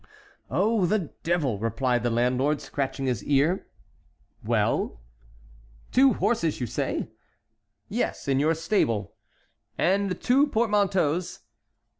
"Oh, the devil!" replied the landlord, scratching his ear. "Well?" "Two horses, you say?" "Yes, in your stable." "And two portmanteaus?"